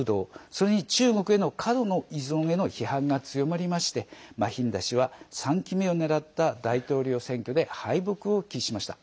それに中国への過度の依存への批判が強まりましてマヒンダ氏は３期目を狙った大統領選挙で敗北を喫しました。